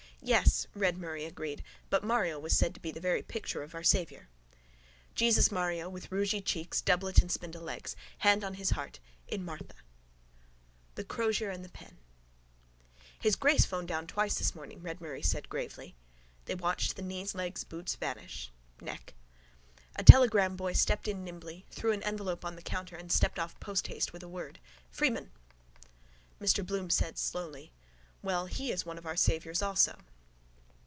—Yes, Red Murray agreed. But Mario was said to be the picture of Our Saviour. Jesusmario with rougy cheeks, doublet and spindle legs. Hand on his heart. In Martha. Co ome thou lost one, Co ome thou dear one! THE CROZIER AND THE PEN —His grace phoned down twice this morning, Red Murray said gravely. They watched the knees, legs, boots vanish. Neck. A telegram boy stepped in nimbly, threw an envelope on the counter and stepped off posthaste with a word: —Freeman! Mr Bloom said slowly: —Well, he is one of our saviours also.